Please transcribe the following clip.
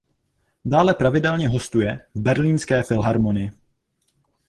Dále pravidelně hostuje v Berlínské filharmonii.